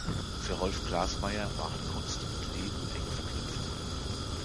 Für Rolf Glasmeier waren Kunst und Leben eng verknüpft.